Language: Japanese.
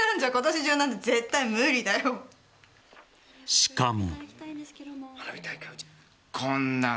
しかも。